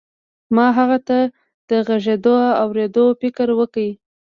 ما هغه ته د غږېدو او اورېدو فکر ورکړ.